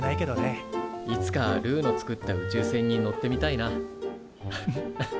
いつかルーの作った宇宙船に乗ってみたいな。